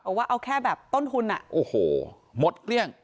ว่าเอาแค่แบบต้นทุนอ่ะโอ้โหหมดเกลี้ยง